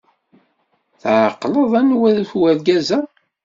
Tɛeqleḍ anwa-t wergaz-a?